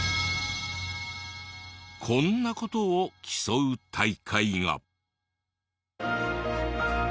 こんな事を競う大会が。